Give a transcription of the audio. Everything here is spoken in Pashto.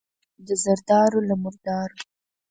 د زردارو، له مردارو.